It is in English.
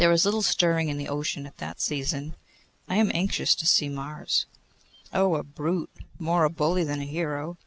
There is little stirring in the ocean at that season.' 'I am anxious to see Mars.' 'Oh! a brute, more a bully than a hero.